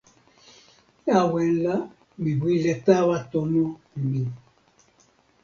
awen la mi wile tawa tomo mi.